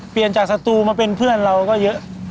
เปลี่ยนจากสตูมาเป็นเพื่อนเราก็เยอะ